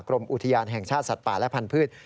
กรมอุทยานแห่งชาติสัตว์ป่าและพันธุ์